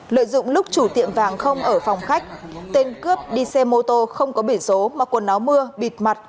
lợi dụng lúc chủ tiệm vàng không ở phòng khách tên cướp đi xe mô tô không có biển số mà quần áo mưa bịt mặt